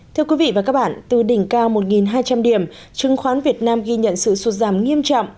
thưa quý vị và các bạn từ đỉnh cao một hai trăm linh điểm chứng khoán việt nam ghi nhận sự sụt giảm nghiêm trọng